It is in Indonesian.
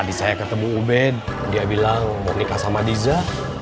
tadi saya ketemu ubed dia bilang mau nikah sama diza